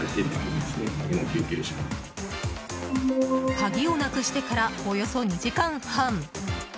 鍵をなくしてからおよそ２時間半。